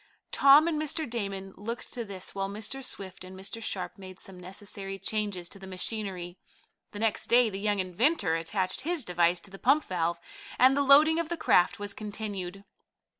Tom and Mr. Damon looked to this, while Mr. Swift and Mr. Sharp made some necessary changes to the machinery. The next day the young inventor attached his device to the pump valve, and the loading of the craft was continued.